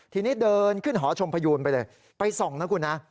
ทีนี้เดินขึ้นหอชมพยูนไปเลยไปส่องนะคุณนะ